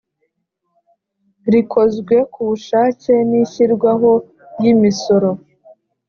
rikozwe ku bushake n ishyirwaho yimisoro